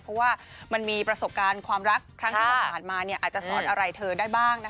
เพราะว่ามันมีประสบการณ์ความรักครั้งที่ผ่านมาอาจจะสอนอะไรเธอได้บ้างนะคะ